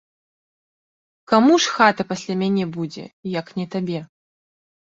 Каму ж хата пасля мяне будзе, як не табе?